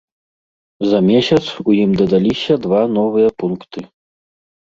За месяц у ім дадаліся два новыя пункты.